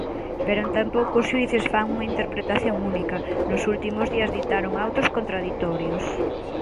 Pero tampouco os xuíces fan unha interpretación única, nos últimos días ditaron autos contraditorios.